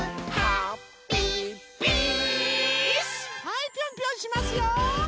はいぴょんぴょんしますよ！